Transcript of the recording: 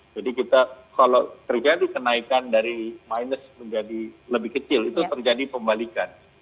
jadi kita kalau terjadi kenaikan dari minus menjadi lebih kecil itu terjadi pembalikan